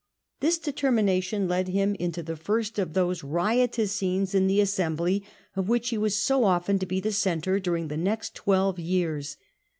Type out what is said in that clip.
This determination led him into the first of those riotous scenes in the Assembly of which he was so often to be the centre during the next twelve years.